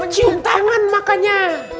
cium tangan makanya